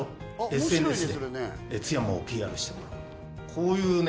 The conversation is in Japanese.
こういうね